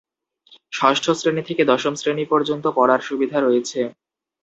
ষষ্ঠ শ্রেণি থেকে দশম শ্রেণি পর্যন্ত পড়ার সুবিধা রয়েছে।